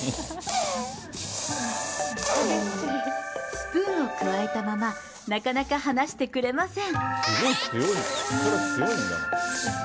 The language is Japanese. スプーンを加えたまま、なかなか離してくれません。